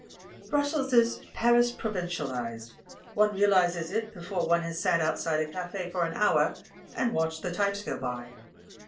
Brussels is Paris provincialised ; one realises it before one has sat outside a cafe for an hour and watched the types go by.